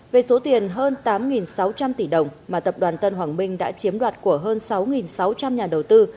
về số tiền hơn tám sáu trăm linh tỷ đồng mà tập đoàn tân hoàng minh đã chiếm đoạt của hơn sáu sáu trăm linh nhà đầu tư